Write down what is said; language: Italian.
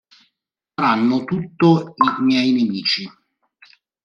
Faranno tutto i miei nemici".